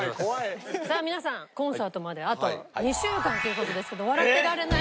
さあ皆さんコンサートまであと２週間という事ですけど笑っていられない。